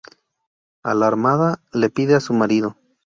Alarmada, le pide a su marido.